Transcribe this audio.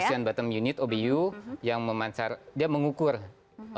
ada ocean bottom unit obu yang memancar dia mengukur permukaan lautnya